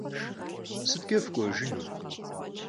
Sıtç'e fık'uejjınu?